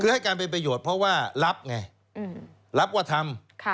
คือให้การเป็นประโยชน์เพราะว่ารับไงรับว่าทำ